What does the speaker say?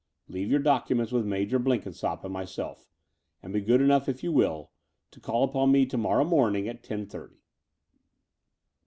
"Leave your documents with Major Blenkinsopp and myself; and be good enough, if you will, to call upon me to morrow morning at ten thirty."